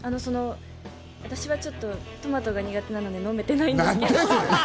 私はちょっとトマトが苦手なので飲めてないんですけど。